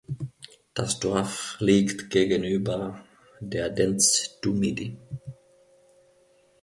Das Dorf liegt gegenüber der Dents du Midi.